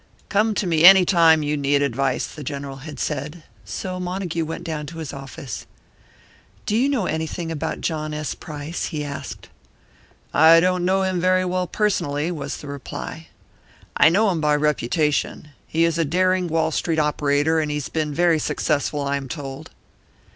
"Come to me any time you need advice," the General had said; so Montague went down to his office. "Do you know anything about John S. Price?" he asked. "I don't know him very well personally," was the reply. "I know him by reputation. He is a daring Wall Street operator, and he's been very successful, I am told."